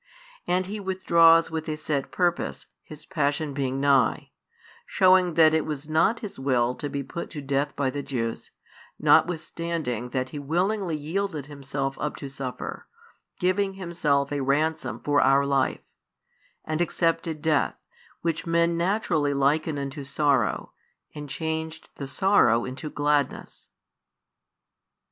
And He withdraws with a set purpose, His Passion being nigh; shewing that it was not His will to be put to death by the Jews, notwithstanding that He willingly yielded Himself up to suffer, giving Himself a Ransom for our life; and accepted death, which men naturally liken unto sorrow, and changed the sorrow into gladness.